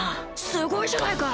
すごいじゃないか！